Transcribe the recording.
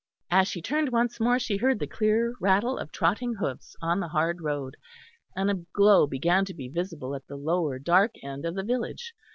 As she turned once more she heard the clear rattle of trotting hoofs on the hard road, and a glow began to be visible at the lower dark end of the village.